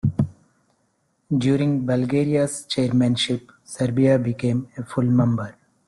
During Bulgaria's chairmanship, Serbia became a full member.